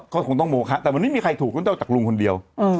ก็คงต้องโมคะแต่มันไม่มีใครถูกก็ต้องจากลุงคนเดียว